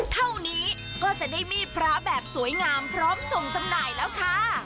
เท่านี้ก็จะได้มีดพระแบบสวยงามพร้อมส่งจำหน่ายแล้วค่ะ